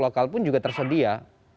lokal pun juga tersedia